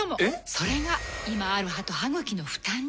それが今ある歯と歯ぐきの負担に。